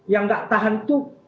yang tidak tahan itu